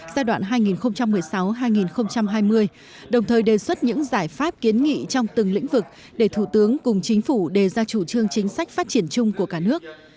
giai đoạn hai nghìn một mươi sáu hai nghìn hai mươi đồng thời đề xuất những giải pháp kiến nghị trong từng lĩnh vực để thủ tướng cùng chính phủ đề ra chủ trương chính sách phát triển chung của cả nước